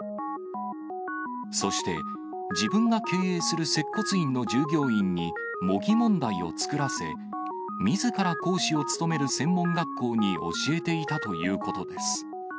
そして、自分が経営する接骨院の従業員に、模擬問題を作らせ、みずから講師を務める専門学校に教えていたということです。